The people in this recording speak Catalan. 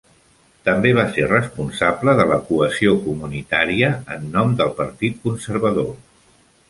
També va ser responsable de la cohesió comunitària en nom del Partit Conservador.